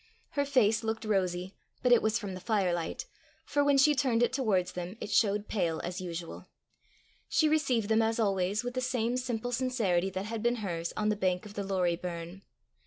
Her face looked rosy, but it was from the firelight, for when she turned it towards them, it showed pale as usual. She received them, as always, with the same simple sincerity that had been hers on the bank of the Lorrie burn.